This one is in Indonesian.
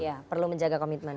ya perlu menjaga komitmen